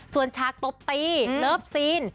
ส่วนฉากตบตีเลิฟซีน